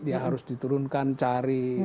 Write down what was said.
dia harus diturunkan cari